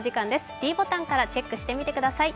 ｄボタンからチェックしてみてください。